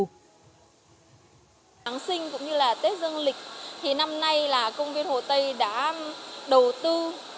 giáng sinh cũng như là tết dương lịch thì năm nay là công viên hồ tây đã đầu tư